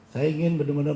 saya ingin benar benar